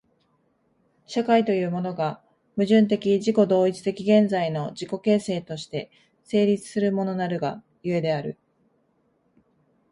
社会というものが、矛盾的自己同一的現在の自己形成として成立するものなるが故である。